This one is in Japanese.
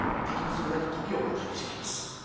敵にそれだけ時を与えてしまいます。